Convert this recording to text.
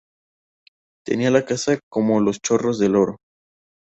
Tenía la casa como los chorros del oro